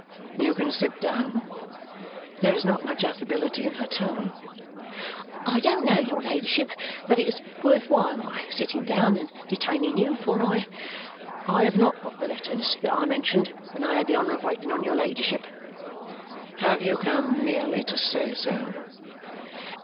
"You can sit down." There is not much affability in her tone. "I don't know, your ladyship, that it's worth while my sitting down and detaining you, for I I have not got the letters that I mentioned when I had the honour of waiting on your ladyship." "Have you come merely to say so?"